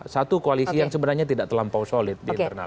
satu koalisi yang sebenarnya tidak terlampau solid di internal